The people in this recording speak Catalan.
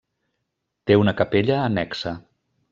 Té una capella annexa.